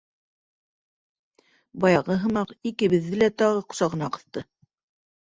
Баяғы һымаҡ, икебеҙҙе лә тағы ҡосағына ҡыҫты.